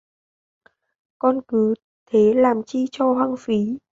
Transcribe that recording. Con cứ thế lam chi cho hoang phí